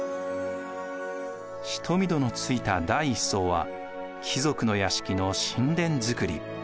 蔀戸のついた第１層は貴族の屋敷の寝殿造。